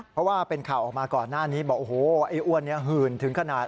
เพราะว่าเป็นข่าวออกมาก่อนหน้านี้บอกโอ้โหไอ้อ้วนเนี่ยหื่นถึงขนาด